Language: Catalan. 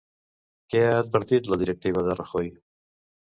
Què ha advertit la directiva de Rajoy?